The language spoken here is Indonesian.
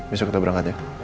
bisa kita berangkat ya